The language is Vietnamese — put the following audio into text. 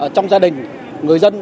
trong gia đình người dân